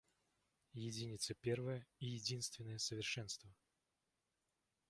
Единица первое и единственное совершенство.